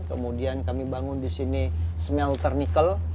kemudian kami bangun di sini smelternikel